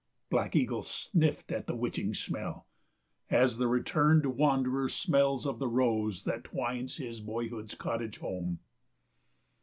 Black Eagle sniffed at the witching smell as the returned wanderer smells of the rose that twines his boyhood's cottage home.